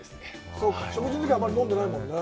そうか、食事のとき、あんまり飲んでないもんね。